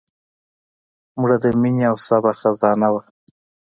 مړه د مینې او صبر خزانه وه